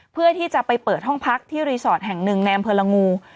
เพื่อที่จะไปเปิดห้องพักที่รีสอร์ทแห่งหนึ่งในอำเภอละงู